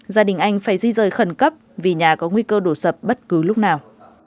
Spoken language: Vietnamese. gia đình anh phải di rời khẩn cấp vì nhà có nguy cơ đổ sập bất cứ lúc nào